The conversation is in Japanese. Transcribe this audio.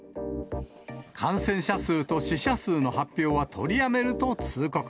感染者数と死者数の発表は取りやめると通告。